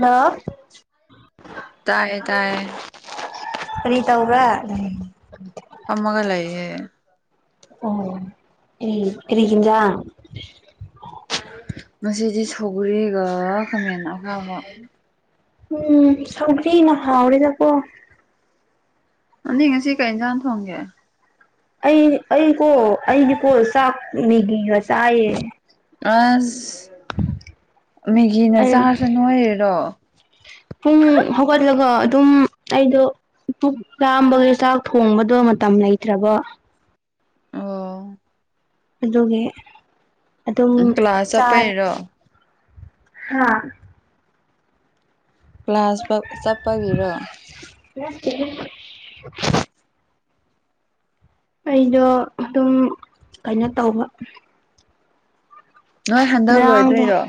ꯅ ꯇ ꯄꯔꯤꯅꯤꯇꯥ ꯎ꯭ꯔ ꯑꯃꯃꯒ ꯂꯩꯏꯌꯦ ꯑꯣ ꯏ ꯏꯗ ꯃꯁꯤꯖꯤ ꯁꯧꯔꯦꯒ ꯈꯥꯃꯦꯟ ꯑꯉꯥꯕ ꯎꯝ ꯁꯧꯒ꯭ꯔꯤꯅ ꯍꯥꯎꯔꯦꯗꯀꯣ ꯑꯅꯤ ꯉꯁꯤ ꯀꯩ ꯏꯟꯖꯥꯡ ꯊꯣꯡꯒꯦ ꯑꯩ-ꯑꯩ ꯀꯣ ꯑꯩꯗꯤ ꯀꫭ ꯆꯥꯛ ꯃꯦꯒꯤꯒ ꯆꯥꯏꯌꯦ ꯁ ꯃꯦꯒꯤꯅ ꯑꯩ ꯆꯥꯔꯁꯨ ꯅꯣꯏꯔꯤꯔꯣ ꯄꯨꯡ ꯍꯧꯒꯠꯂꯒ ꯑꯗꯨꯝ ꯑꯩꯗꯣ ꯄꯨꯛ ꯂꯥꯝꯕꯒꯤ ꯆꯥꯛ ꯊꯣꯡꯕꯗꯣ ꯃ ꯇꯝ ꯂꯩꯇ꯭ꯔꯕꯣ ꯑꯣ ꯑꯗꯨꯒꯤ ꯑꯗꯨꯝ ꯎꯝ ꯀ꯭ꯂꯥꯁ ꯆꯥꯔꯦ ꯆꯠꯄꯩꯔꯣ ꯍꯥꯥ ꯀ꯭ꯂꯥꯁ ꯕꯛ-ꯆꯠꯄꯒꯤꯔꯣ ꯅꯠꯇꯦꯍꯦ ꯑꯩꯗꯣ ꯑꯗꯨꯝ ꯀꯩꯅꯣ ꯇꯧꯕ ꯅꯣꯏ ꯍꯟꯗꯛ ꯉꯔꯥꯡꯗꯣ ꯂꯣꯏꯗꯣꯏꯔꯣ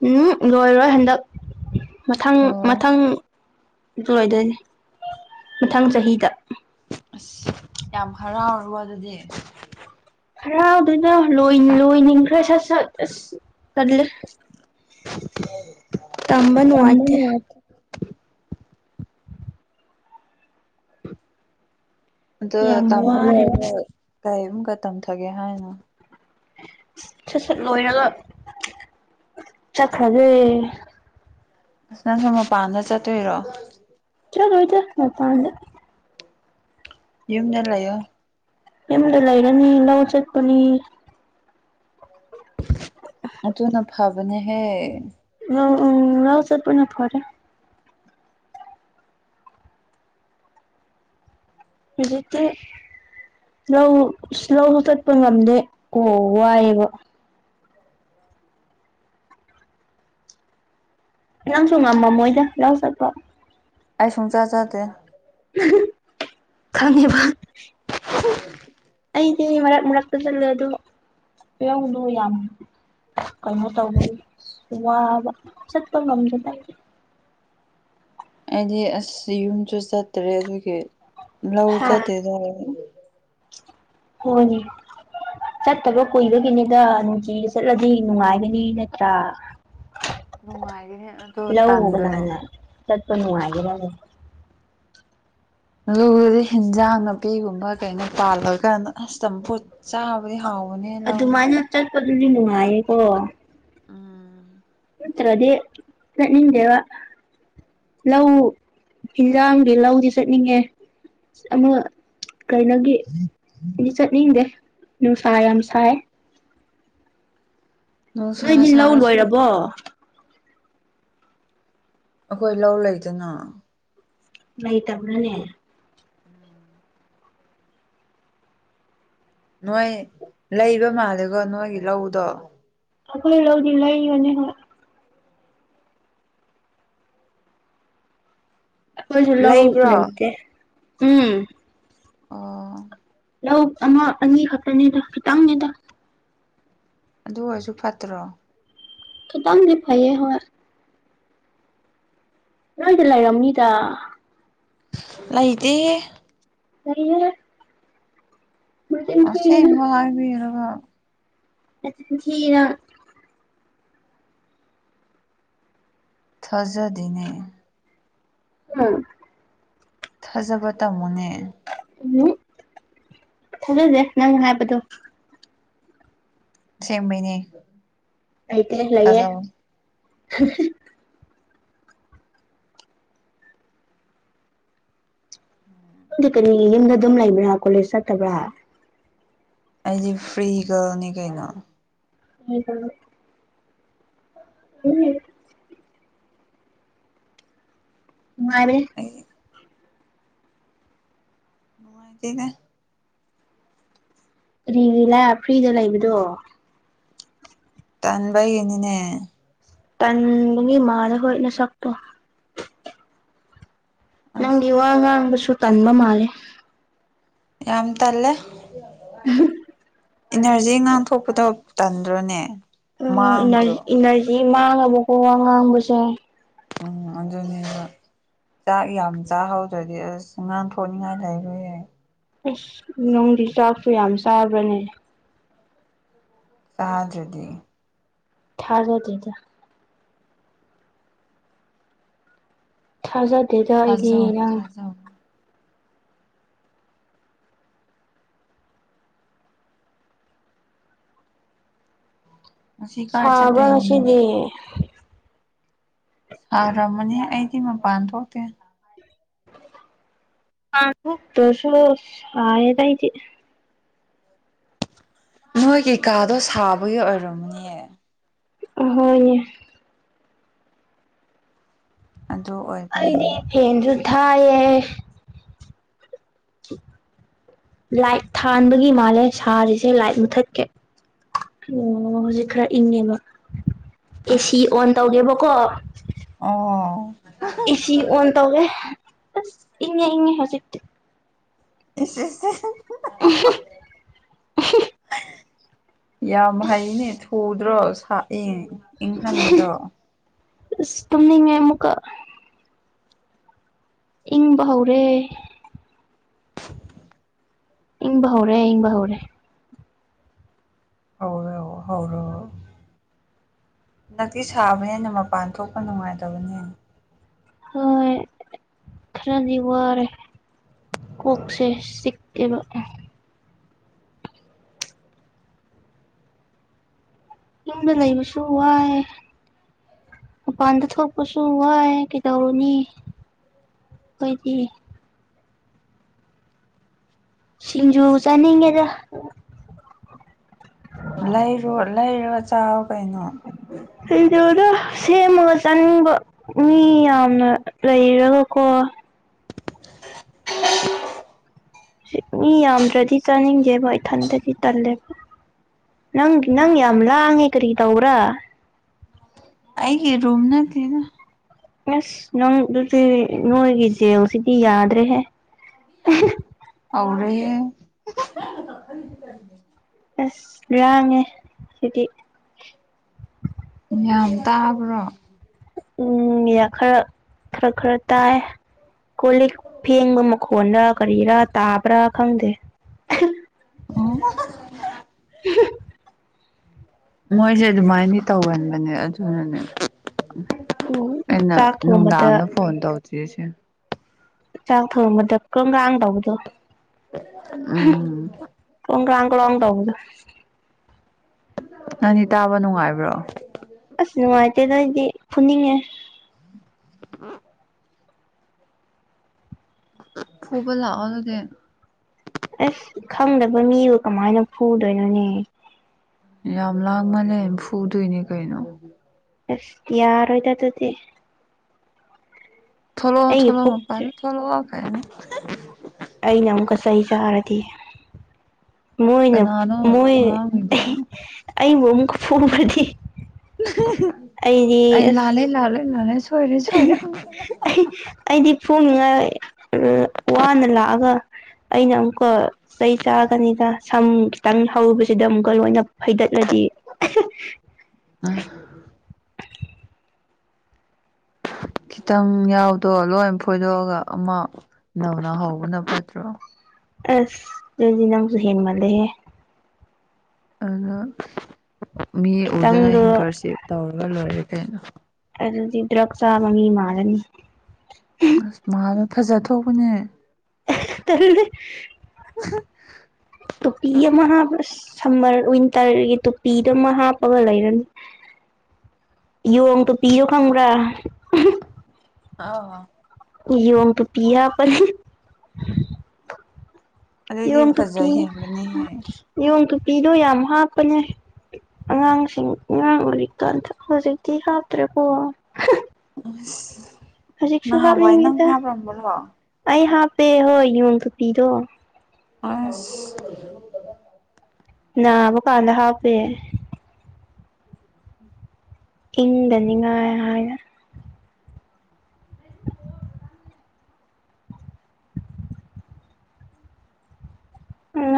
ꯎꯝ ꯂꯣꯏꯔꯣꯏ ꯍꯟꯗꯛ ꯃꯊꯪ ꯑꯣ ꯃꯊꯪ ꯂꯣꯏꯗꯣꯏꯅꯦ ꯃꯊꯪ ꯆꯍꯤꯗ ꯑꯁ ꯌꯥꯝ ꯍꯔꯥꯎꯔꯣ ꯑꯗꯨꯗꯤ ꯍꯔꯥꯎꯗꯨꯅ ꯂꯣꯏ-ꯂꫭꯏꯅꯤꯡꯈ꯭ꯔꯦ ꯁꯠ ꯁꯠ‌ ꯑꯁ ꯇꯜꯂꯦ [inaudible] ꯇꯝꯕ ꯅꯨꯉꯥꯏꯇꯦ ꯑꯗꫭ ꯌꯥꯝ ꯇꯥꯃ ꯋꯥꯔꯦꯕ [unintelligible] ꯀꯔꯤꯃꯨꯀ ꯇꯝꯊꯒꯦ ꯍꯥꯏꯅꫭ ꯁꯠ ꯁꯠ ꯂꯣꯏꯔꯒ ꯆꯠꯈ꯭ꯔꯒꯦ ꯑꯁ ꯅꯪꯁꯨ ꯃꯄꯥꯟꯗ ꯆꯠꯇꯣꯏꯔꯣ ꯆꯠꯂꫭꯏꯗ ꯃꯄꯥꯟꯗ ꯌꯨꯝꯗ ꯂꯩꯌꫭ ꯌꯨꯝꯗ ꯂꯩꯔꯅꯤ ꯂꯧ ꯆꯠꯄꯅꯤ ꯑꯗꯨꯅ ꯐꯕꯅꯦ ꯍꯦ ꯎꯝ ꯎꯝ ꯔꯧ ꯆꯠꯄꯅ ꯐꯔꯦ ꯍꯨꯖꯤꯛꯇꯤ ꯂꯧ ꯁ-ꯂꯧꯖꯨ ꯆꯠꯄ ꯉꯝꯗꯦ ꯑꯣ ꯋꯥꯏꯌꯦꯕ ꯅꯪꯁꯨ ꯉꯝꯃꯝꯃꯣꯏꯗ ꯌꯥꯎ ꯆꯠꯄ ꯑꯩ ꯁꯨꯡꯆ ꯆꯥꯗꯦ [unintelligible] ꯈꯪꯉꯦꯕ [unintelligible] ꯑꯩꯗꯤ ꯃꯔꯛ ꯃꯔꯛꯇ ꯆꯠꯂꯦ ꯑꯗꫭ ꯌꯧꯗꫭ ꯌꯥꯝ ꯀꯩꯅꯣ ꯇꯧꯕꯒꯤ ꯋꯥꯕ ꯆꯠꯄ ꯉꯝꯗꯦꯗ ꯑꯩꯗꯤ ꯑꯁ ꯌꯨꯝꯁꯨ ꯆꯠꯇ꯭ꯔꯦ ꯑꯗꯨꯒꯤ ꯂꯧ ꯍꯥꯥ ꯆꯠꯇꯦꯗ ꯑꯩ ꯍꯣꯏꯅꯦ ꯆꯠꯇꯕ ꯀꯨꯏꯕꯒꯤꯅꯤꯗ ꯅꯨꯡꯇꯤꯒꯤ ꯆꯠꯂꯗꯤ ꯅꯨꯡꯉꯥꯏꯒꯅꯤ ꯅꯠꯇ꯭ꯔꯥ ꯅꯨꯡꯉꯥꯏꯒꯅꯤ ꯑꯗꯣ ꯇꯥꯟꯗꯔꯣ ꯁꯠꯄ ꯅꯨꯡꯉꯥꯏꯒꯦꯔꯅꯦ ꯑꯗꯨꯒꯗꯤ ꯍꯤꯟꯖꯥꯡ ꯅꯥꯄꯤꯒꯨꯝꯕ ꯀꯩꯅꯣ ꯄꯥꯜꯂꯀꯥꯅ ꯑꯁ ꯇꯝꯐꯨꯠ ꯆꯥꯕꯗꯤ ꯍꯥꯎ ꯑꯗꯨꯃꯥꯏꯅ ꯆꯠꯄꯗꯨꯗꯤ ꯅꯨꯡꯉꯥꯏꯌꯦꯀꯣ ꯎꯝ ꯇ꯭ꯔꯗꯤ ꯆꯠꯅꯤꯡꯗꯦꯕ ꯂꯧ ꯍꯤꯟꯖꯥꯡꯒꯤ ꯂꯧꯗꯤ ꯆꯠꯅꯤꯡꯉꯦ ꯑꯃ ꯀꯩꯅꯣꯒꯤ ꯗꯤ ꯆꯠꯅꯤꯡꯗꯦ ꯅꯨꯡꯁꯥ ꯌꯥꯝ ꯁꯥꯏ ꯅꯨꯡꯁꯥ ꯅꯣꯏꯗꯤ ꯂꯧ ꯁꯥꯔꯁꯨ ꯂꯣꯏꯔꯕꯣ ꯑꯈꯣꯏ ꯂꯧ ꯂꯩꯇꯅ ꯂꯩꯇꯕ꯭ꯔꯅꯦ ꯎꯝ ꯅꯣꯏ ꯂꯩꯕ ꯃꯥꯜꯂꯦꯀꯣ ꯅꯣꯏꯒꯤ ꯂꯧꯗꯣ ꯑꯩꯈꯣꯏ ꯂꯧ ꯂꯥꯏꯅꯤ ꯍꯣꯏ ꯂꯩꯕ꯭ꯔꯣ ꯑꯩꯈꯣꯏꯁꯨꯂꯅꯠꯇꯦ ꯎꯝ ꯑꯣ ꯂꯧ ꯑꯃ ꯑꯅꯤ ꯈꯛꯇꯅꯤꯗ ꯈꯤꯇꯪꯅꯤꯗ ꯑꯗꯨ ꯑꯣꯏꯔꯁꯨ ꯐꯠꯇ꯭ꯔꯣ ꯊ ꯇꯪꯗꯤ ꯐꯥꯏꯌꯦ ꯍꯔ ꯂꯣꯏꯗ ꯂꯩ ꯔꯝꯅꯤꯇꯥ ꯂꯩꯗꯤ ꯑꯩ ꯑꯁꯦ ꯏꯕ ꯍꯥꯏꯕꯤ ꯏꯔꯒ ꯑ ꯊꯤꯔ ꯊꯥꯖꯗꯤꯅꯦ ꯑꯝ ꯊꯥꯖꯕ ꯇꯝꯃꯨꯅꯦ ꯎꯝ ꯊꯥꯖꯁꯦ ꯅꯪ ꯍꯥꯏꯕꯗꯣ ꯁꯦꯝꯦꯡꯕꯩꯅꯦ ꯑꯩꯩꯀ ꯂꯩꯏꯌꯦ ꯎꯝ ꯗꯤ ꯀꯔꯤ ꯌꯨꯝꯗ ꯑꯗꯨꯝ ꯂꯩꯕ꯭ꯔꯥ ꯀꯣꯂꯦꯖ ꯆꯠꯇꯕ꯭ꯔꯥ ꯑꯩꯗꯤ ꯐ꯭ꯔꯤ ꯒꯔꯜꯅꯤ ꯀꯩꯅꯣ ꯍꯗ ꯎꯝ ꯃꯥꯔꯦ ꯑꯩ ꯅꯅꯨꯡꯉꯥꯏ ꯆꯩꯗ ꯔꯤ ꯂ ꯐ꯭ꯔꯤꯗ ꯂꯩꯕꯗꯣ ꯇꯥꯟꯚꯏ ꯏꯅꯤꯅꯦ ꯇꯟꯕꯒꯤ ꯃꯥꯂ ꯍꯣꯏꯅ ꯁꯄꯣ ꯑꯁ ꯅꯪꯒꯤ ꯋꯥ ꯉꯥꯡꯕꯁꯨ ꯇꯟꯕ ꯃꯥꯜꯂꯦ ꯌꯥꯝ ꯇꯜꯂꯦ [unintelligible] ꯏꯟꯅꯔꯖꯤ ꯉꯥꯡꯊꯣꯛꯄꯗꯣ ꯇꯟꯗ꯭ꯔꯣꯅꯦ ꯑꯣ ꯃꯥꯡꯗ꯭ꯔꯣ ꯏꯟꯅꯔꯖꯤ ꯃꯥꯡꯉꯕꯀꯣ ꯋꯥ ꯉꯥꯡꯕꯁꯦ ꯎꯝ ꯑꯗꯨꯅꯦꯕ ꯆꯥꯛ ꯌꯥꯝ ꯆꯥꯍꯧꯗ꯭ꯔꯗꯤ ꯑꯁ ꯉꯥꯡꯊꯣꯛꯅꯤꯡꯉꯥꯏ ꯂꯩꯔꯣꯏꯌꯦ ꯑꯁ ꯅꯨꯡꯗꯤ ꯆꯥꯛꯁꯨ ꯌꯥꯝ ꯆꯥꯕ꯭ꯔꯥꯅꯦ ꯆꯥꯗ꯭ꯔꯗꯤ ꯊꯥꯖꯗꯦꯗ ꯊꯥꯖꯗꯦꯗ ꯑꯩꯗꯤ ꯊꯥꯖꯧ ꯅꯪ ꯊꯥꯖꯧ ꯉꯁꯤ ꯀꯥꯏ ꯁꯥꯕ꯭ꯔꯥ ꯆꯠꯇꯣꯏꯅꯣ ꯅꯪ ꯉꯁꯤꯗꯤ ꯁꯥꯔꯃꯅꯤ ꯑꯩꯗꯤ ꯃꯄꯥꯟ ꯊꯣꯛꯇ ꯃꯄꯥꯟ ꯊꯣꯛꯇ꯭ꯔꯥꯁꯨ ꯁꯥꯢꯌꯦꯗ ꯑꯩꯗꯤ ꯅꯣꯏꯒꯤ ꯀꯥꯗꯣ ꯁꯥꯕꯒꯤ ꯑꯣꯏꯔꯝꯅꯤꯌꯦ ꯑꯍꯣꯏꯅꯦ ꯑꯗꯨ ꯑꯗꯤ ꯑꯣꯏꯕꯩꯅꯦ ꯐꯦꯟꯁꯨ ꯊꯥꯏꯌꯦ ꯂꯥꯏꯠ ꯊꯥꯟꯕꯒꯤ ꯃꯥꯜꯂꯦ ꯁꯥꯔꯤꯁꯦ ꯂꯥꯏꯠ ꯃꯨꯊꯠꯀꯦ ꯑꯣ ꯍꯧꯖꯤꯛ ꯈꯔ ꯏꯪꯉꯦꯕ ꯑꯁ ꯑꯦꯁꯤ ꯑꯣꯟ ꯇꯧꯒꯦꯕꯀꯣ ꯑꯣ ꯑꯦꯁꯤ ꯑꯣꯟ ꯇꯧꯋꯦ ꯑꯁ ꯏꯪꯉꯦ ꯏꯪꯉꯦ ꯍꯧꯖꯤꯠꯇꯤ [unintelligible] [unintelligible] ꯌꯥꯝ ꯍꯩꯅꯦ ꯊꯨꯗ꯭ꯔꯣ ꯁꯥ ꯢꯪ ꯏꯪꯍꯟꯕꯗꯣ ꯇꯨꯝꯅꯤꯡꯉꯦ ꯑꯃꯨꯛꯀ ꯏꯪꯕ ꯍꯧꯔꯦ ꯏꯪꯕ ꯍꯧꯔꯦ ꯏꯪꯕ ꯍꯧꯔꯦ ꯍꯧꯔꯣ ꯍꯧꯔꯣ ꯍꯟꯗꯛꯇꯤ ꯁꯥꯕꯅꯤꯅ ꯃꯄꯥꯟ ꯊꯣꯛꯄ ꯅꯨꯡꯉꯥꯏꯇꯕꯅꯦ ꯍꯣꯢ ꯈꯔꯗꯤ ꯋꯥꯔꯦ ꯀꯣꯛꯁꯦ ꯆꯤꯛ ꯑꯦꯕ ꯏꯨꯝꯗ ꯂꯩꯕꯁꯨ ꯋꯥꯏꯌꯦ ꯃꯄꯥꯟꯗ ꯊꯣꯛꯄꯁꯨ ꯋꯥꯏ ꯀꯩꯗꯧꯔꯨꯅꯤ ꯑꯣꯗꯣꯢꯗꯤ ꯁꯤꯡꯖꯨ ꯆꯥꯅꯤꯡꯉꯦꯗ ꯂꯩꯔꯣ ꯂꯩꯔꯒ ꯆꯥꯎ ꯀꯩꯅꯣ [unintelligible] ꯁꯦꯝꯃꯒ ꯆꯅꯤꯡꯕ ꯃꯤ ꯌꯥꯝꯅ ꯂꯩꯔꯒꯀꯣ ꯃꯤ ꯌꯥꯝꯗ꯭ꯔꯗꯤ ꯆꯥꯅꯤꯡꯗꯦꯕ ꯏꯊꯟꯗꯗꯤ ꯇꯜꯂꯦꯕ ꯅꯪ ꯅꯪ ꯌꯥꯝ ꯂꯥꯡꯉꯦ ꯀꯔꯤ ꯇꯧꯕꯔꯥ ꯑꯩꯒꯤ ꯔꯣꯝ ꯇꯠꯇꯦꯗ ꯑꯁ ꯅꯪꯗꯨꯗꯤ ꯅꯣꯏꯒꯤ ꯖꯦꯜꯁꯤꯗꯤ ꯌꯥꯗ꯭ꯔꯦꯍꯦ ꯍꯧꯔꯦꯍꯦ ꯑꯁ ꯂꯥꯡꯉꯦ ꯁꯤꯗꯤ ꯌꯥꯝ ꯇꯥꯕ꯭ꯔꯣ ꯎꯝ ꯈꯔ ꯈꯔ ꯈꯔ ꯇꯥꯏ ꯀꯣꯟꯂꯤꯛ ꯐꯦꯡꯕ ꯃꯈꯣꯜꯂ ꯀꯔꯤꯔꯥ ꯇꯥꯕ꯭ꯔꯥ ꯈꯪꯗꯦ ꯑꯣ ꯃꯣꯏꯖꯦ ꯑꯗꯨꯃꯥꯏꯅꯗꯤ ꯇꯧꯒꯟꯕꯅꯦ ꯑꯗꯨꯅꯅꯦ ꯎꯝ ꯑꯩꯅ ꯆꯥꯛ ꯊꯣꯡꯕꯗ ꯅꯨꯡꯗꯥꯡꯗ ꯐꯣꯟ ꯇꯧꯗ꯭ꯔꯤꯁꯦ ꯆꯥꯛ ꯊꯣꯡꯕꯗ ꯀꯒꯥꯡ ꯇꯧꯕꯗꯣ ꯎꯝ ꯀ ꯇꯉꯗ ꯅꯪꯅꯤ ꯇꯥꯕ ꯅꯨꯡꯉꯥꯏꯕ꯭ꯔꯣ ꯅꯨꯡꯉꯥꯏꯇꯦꯗꯣ ꯑꯩꯗꯤ ꯐꯨꯅꯤꯡꯉꯦ ꯑ ꯐꯨꯕ ꯂꯥꯛꯑꯣ ꯑꯗꯨꯗ ꯑꯁ ꯈꯪꯗꯕꯅꯤꯕꯨ ꯀꯃꯥꯏꯅ ꯐꯨꯗꯣꯏꯅꯣꯅꯦ ꯌꯥꯝ ꯂꯥꯡꯃꯜꯂꯦ ꯐꯨꯗꯣꯏꯅꯦ ꯀꯩꯅꯣ ꯑꯁ ꯌꯥꯔ ꯑꯣꯏꯗ ꯑꯗꯨꯗꯤ ꯊꯂꯣ ꯑꯩꯒꯤ ꯊꯂꯣ ꯄꯨꯛꯁꯦ ꯃꯄꯅꯦ ꯊꯂꯣ ꯋꯥ ꯈꯥꯏꯅꯦ ꯑꯩꯅ ꯑꯃꯨꯛꯀ ꯆꯩ ꯆꯥꯔꯗꯤ ꯃꯣꯏꯅ ꯀꯅꯥꯅꯣ ꯃꯣꯏ ꯉꯥꯡꯉꯤꯗꯣꯅ ꯑꯩꯕꯨ ꯑꯃꯨꯛꯀ ꯐꯨꯕꯗꯤ ꯂꯥꯂꯦ ꯂꯥꯂꯦ ꯂꯂꯦ ꯑꯩ ꯑꯩꯗꯤ ꯁꯣꯡꯅꯤꯡꯉꯥꯏ ꯋꯥꯅ ꯂꯥꯛꯑꯒ ꯑꯩꯅ ꯑꯃꯨꯛꯀ ꯀꯩ ꯆꯥꯒꯅꯤꯗ ꯁꯝ ꯈꯤꯇꯪ ꯍꯧꯔꯨꯕꯁꯤꯗ ꯑꯃꯨꯛꯀ ꯂꯣꯏꯅ ꯐꯩꯗꯠꯂꯗꯤ [inaudible] ꯈꯤꯇꯪ ꯌꯥꯎꯗꯣ ꯂꯣꯏ ꯐꯣꯏꯗꯣꯛꯑꯒ ꯑꯃ ꯅꯧꯅ ꯍꯧꯕꯅ ꯐꯠꯇ꯭ꯔꯣ ꯑꯁ ꯃꯦꯖꯤ ꯅꯝ ꯨꯍꯤꯟ ꯃꯥꯂꯦꯦ ꯑꯗꯨꯅ ꯃꯤ ꯎꯗꯅ ꯈꯤꯇꯪꯗꯣ ꯍꯤꯡꯀꯔꯁꯤ ꯇꯧꯔꯒ ꯂꯣꯏꯔꯦ ꯀꯩꯅꯣ ꯀꯗꯤ ꯗ꯭ꯔꯛꯁꯥ ꯃꯃꯤ ꯃꯥꯔꯅꯤ ꯑꯁ ꯃꯥꯅ ꯐꯖꯊꯄꯅꯦ ꯇ [inaudible] ꯇ ꯄꯤ ꯑ ꯃꯍꯥꯕꯁ ꯁꯝꯃꯔ ꯋꯤꯟꯇꯔꯒꯤ ꯇꯨꯄꯤꯗꯨꯃ ꯍꯥꯞꯄꯒ ꯂꯩꯔꯅꯤ ꯌꯣꯡ ꯇꯣ ꯄꯤꯔꯣ ꯈꯪ꯭ꯔꯥ ꯑꯥ ꯌꯣꯝ ꯇ ꯄꯤꯌꯥ ꯄꯅꯤ ꯑꯗꯨꯗꯤ ꯏꯣꯡ ꯐꯖ ꯀꯨꯄꯤ ꯍꯦꯟꯕꯅꯦꯍꯦ ꯌꯣꯡ ꯀꯨꯄꯤꯗꯣ ꯌꯥꯝ ꯍꯥꯞꯄꯅꯦ ꯑꯉꯥꯡꯁꯤꯡ ꯑꯉꯥꯡ ꯎꯔꯤꯛꯇꯥꯟ ꯍꯧꯖꯤꯛꯇꯤ ꯍꯥꯞꯇ꯭ꯔꯦꯀꯣ ꯎ ꯍꯧꯖꯤꯛꯁꯨꯨꯍ ꯃꯤꯇ ꯑ ꯍꯥ ꯄꯦ ꯍ ꯌꯨꯟ ꯇꯨ ꯄꯤꯗꯣ ꯑ ꯕꯨ ꯀꯥꯟꯗ ꯍꯥꯞ ꯄꯦ ꯏꯪꯗꯅꯤꯡꯉꯥꯏ ꯍꯥꯏꯅ ꯃ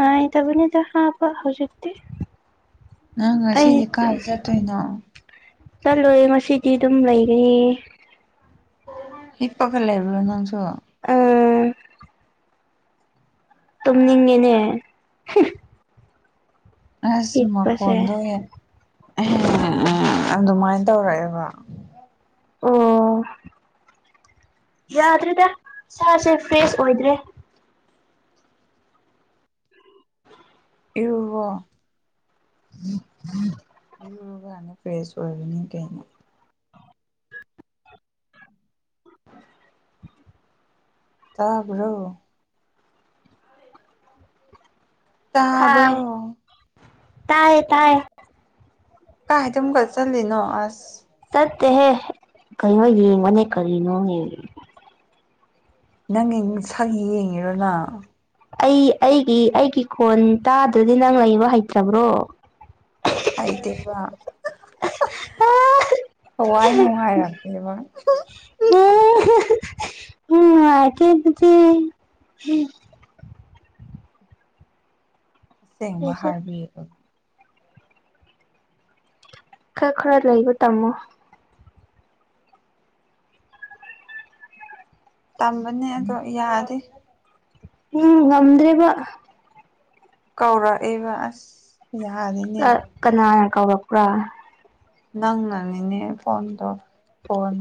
ꯥꯏ ꯇ ꯅꯤꯗ ꯑꯕ ꯍꯧ ꯆꯦ ꯅꯪ ꯑꯩ ꯉꯁꯤꯗꯤ ꯀꯥꯏꯗ ꯆꯠꯇꯣꯏꯅꯣ ꯆꯠꯂꯣꯏꯦ ꯉꯁꯤꯗꯤ ꯑꯗꯨꯝ ꯂꯩꯒꯅꯤ ꯍꯄ ꯐ ꯂꯩꯕ ꯅꯪꯁꯨꯣ ꯎꯝ ꯇꯨꯝꯅꯤꯡꯉꯦꯅꯦ ꯑꯁ ꯍꯤꯞꯄꯁꯦ ꯃꯈꯣꯟꯗꯣ ꯍ ꯑꯗꯨꯃꯥꯏꯅ ꯇꯧꯔꯛꯑꯦꯕ ꯋꯥ ꯑꯣ ꯌꯥꯗ꯭ꯔꯦꯗ ꯁꯥꯁꯦ ꯐ꯭ꯔꯦꯁ ꯑꯣꯏꯗ꯭ꯔꯦ ꯏ ꯋꯥꯣ ꯎꯝ ꯎꯝ ꯅꯦ ꯐ꯭ꯔꯦꯁ ꯑꯣꯏꯔꯅꯤ ꯀꯩꯩꯅ ꯇꯥꯕ꯭ꯔꯣ ꯍꯥꯥ ꯇꯥꯕ꯭ꯔꯣ ꯇꯥꯏ ꯑ ꯇꯥꯏ ꯀꯥꯏ ꯇ ꯑꯃꯨꯀ ꯆꯜꯂꯤ ꯅ ꯑꯁ ꯠꯇ ꯀꯩꯅ ꯌꯦ ꯃꯅꯦ ꯀꯔꯤ ꯅ ꯅꯪꯒꯤ ꯁꯛ ꯌꯦꯡꯉꯤꯔꯣꯅ ꯑꯩ ꯑꯩꯒꯤ ꯑꯩꯒꯤ ꯈꯣꯟ ꯇꯥꯗ꯭ꯔꯗꯤ ꯅꯪ ꯂꯩꯕ ꯍꯩꯇꯕ꯭ꯔꯣ ꯍꯥꯏꯗ ꯋꯥ ꯍꯋꯥꯏ ꯅꯨꯡꯉꯥꯏꯔꯄꯕ ꯎꯝ ꯀꯦ ꯑꯗꯨꯗꯤ ꯑꯁꯦꯡꯕ ꯑꯩꯁꯦ ꯍꯥꯏꯕꯤꯌ ꯀ ꯈꯔ ꯂ ꯂꯩꯒ ꯇꯃ ꯇꯝꯕꯅꯦ ꯑꯗꯣ ꯌꯥꯔꯦ ꯎꯝ ꯉꯝꯗ꯭ꯔꯦꯕ ꯀꯧꯔꯛꯑꯦꯕ ꯑꯁ ꯌꯥꯗꯣꯏꯅꯦ ꯀꯥꯎꯔꯄ꯭ꯔꯥ ꯅꯪ ꯅꯪꯅꯤꯅꯦ ꯐꯣꯟꯗ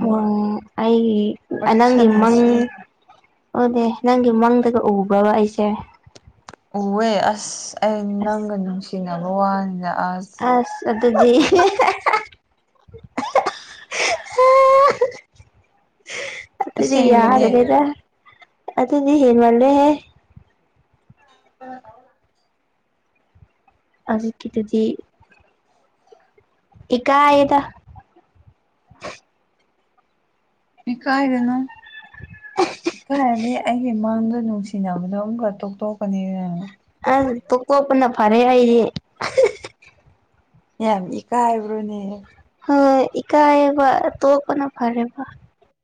ꯎꯝ ꯑꯩ ꯋꯥꯔꯤ ꯑꯅꯪ ꯏꯃꯪ ꯁꯥꯟꯅꯁꯤ ꯑꯣꯅꯦ ꯅꯪꯒꯤ ꯃꯪꯗꯒ ꯎꯕ꯭ꯔꯕ ꯑꯩꯁꯦ ꯎꯍꯦ ꯑꯁ ꯑꯩ ꯅꯪꯒ ꯅꯨꯡꯁꯤꯅꯕ ꯋꯥꯅꯤ ꯑ ꯑꯗꯨꯖꯤ ꯍ ꯑꯗꯨꯗꯤ ꯑꯁꯦꯡꯕꯅꯦ ꯌꯥꯔꯒꯦꯗ ꯑꯗꯨ ꯑꯗꯨꯗꯤ ꯌꯦꯟ ꯃꯥꯜꯂꯦꯦ ꯎꯝ ꯑꯖꯤꯛꯀꯤꯗꯨꯗꯤ ꯏ ꯀꯥꯏꯗ ꯏ ꯀꯥꯏꯅꯣ ꯈꯔꯗꯤ ꯑꯩꯒꯤ ꯃꯥꯡꯒ ꯅꯨꯡꯁꯤꯅꯕꯗꯣ ꯑꯃꯝꯒ ꯇꯣꯛ ꯇꯣꯛꯀꯅꯤꯅ ꯑꯁ ꯇꯣꯛꯇꯣꯛꯄꯅ ꯐꯔꯦ ꯑꯩꯌꯦꯦ ꯌꯥꯝ ꯏ ꯀꯥꯏ ꯍꯥꯏꯕ꯭ꯔꯣꯅꯦ ꯏꯀꯥꯏꯌꯦꯕ ꯇꯣꯛꯄꯅ ꯐꯔꯦꯕ